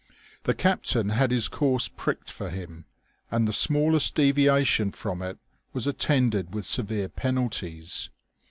The captain had his course pricked for him, and the smallest deviation from it was attended with severe penalties.